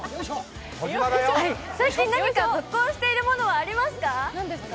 最近何か、ゾッコンしているものはありますか？